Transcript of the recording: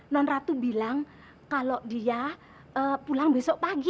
nonratu bilang kalau dia pulang besok pagi